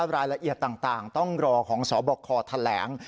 รายละเอียดต่างต้องรอของสบคแถลง